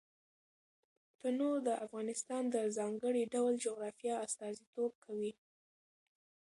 تنوع د افغانستان د ځانګړي ډول جغرافیه استازیتوب کوي.